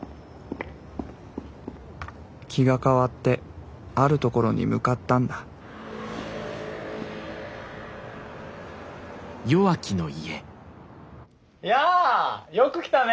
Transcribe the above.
気が変わってあるところに向かったんだいやあよく来たね。